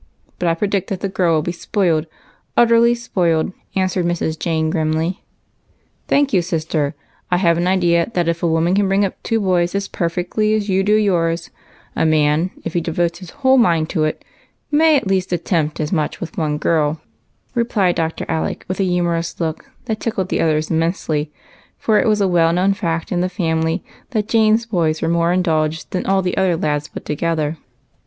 But I predict that the girl will be spoilt, utterly spoilt," answered Mrs. Jane, grimly. " Thank you, sister. I have an idea that if a woman can bring up two boys as perfectly as you do yours, a man, if he devotes his whole mind to it, may at least attempt as much with one girl," replied Dr. Alec, with a humorous look that tickled the others immensely, for it was a well known fact in the family that Jane's boys were more indulged than all the other lads put to gether.